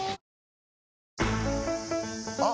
あ！